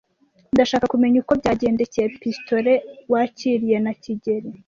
Ndashaka kumenya uko byagendekeye pistolet wakiriye na kigeli.